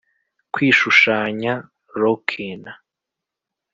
kwishushanya? rockin '!